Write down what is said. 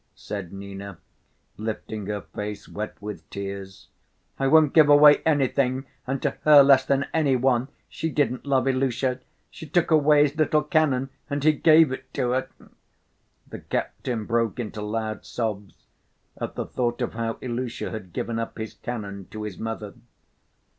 said Nina, lifting her face wet with tears. "I won't give away anything and to her less than any one! She didn't love Ilusha. She took away his little cannon and he gave it to her," the captain broke into loud sobs at the thought of how Ilusha had given up his cannon to his mother.